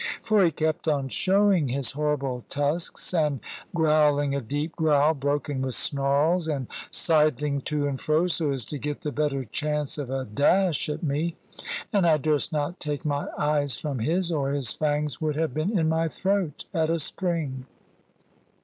For he kept on showing his horrible tusks, and growling a deep growl broken with snarls, and sidling to and fro, so as to get the better chance of a dash at me; and I durst not take my eyes from his, or his fangs would have been in my throat at a spring.